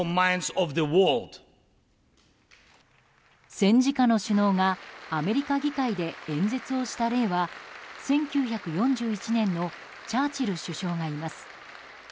戦時下の首脳がアメリカ議会で演説をした例は１９４１年のチャーチル首相がいます。